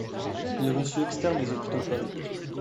Il est reçu externe des hôpitaux de Paris.